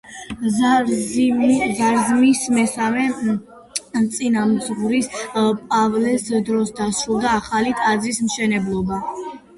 ზარზმის მესამე წინამძღვრის, პავლეს დროს დასრულდა ახალი ტაძრის მშენებლობა.